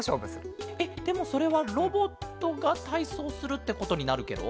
えでもそれはロボットがたいそうするってことになるケロ。